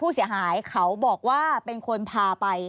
รวมการทำลายเขาบอกว่าเป็นคนพาไป